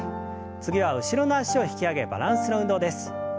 次は後ろの脚を引き上げバランスの運動です。